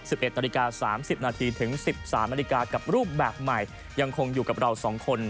สิบเอ็ดนาฬิกาสามสิบนาทีถึงสิบสามนาฬิกากับรูปแบบใหม่ยังคงอยู่กับเราสองคน